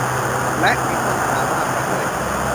และมีโฆษณามากกว่าด้วย